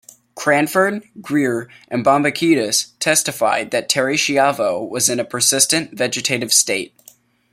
Cranford, Greer, and Bambakidis testified that Terri Schiavo was in a persistent vegetative state.